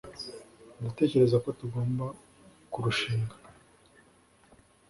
ndatekereza ko tugomba kurushinga